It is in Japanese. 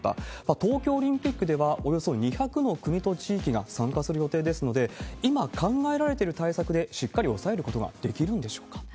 東京オリンピックでは、およそ２００の国と地域が参加する予定ですので、今、考えられてる対策でしっかり抑えることはできるんでしょうか？